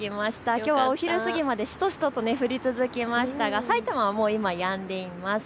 きょうはお昼過ぎまでしとしとと降り続きましたがさいたまはもうやんでいます。